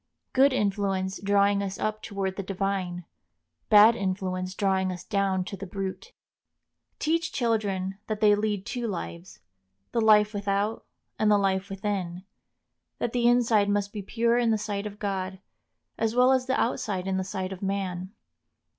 Good influence drawing us up toward the divine, bad influence drawing us down to the brute. Teach children that they lead two lives, the life without and the life within; that the inside must be pure in the sight of God, as well as the outside in the sight of man.